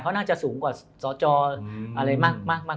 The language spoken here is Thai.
เขาน่าจะสูงกว่าสตอะไรมากกว่านี้